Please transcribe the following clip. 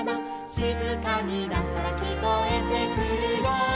「しずかになったらきこえてくるよ」